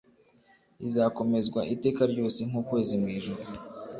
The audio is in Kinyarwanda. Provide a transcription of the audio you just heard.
Izakomezwa iteka ryose nk ukwezi Mu ijuru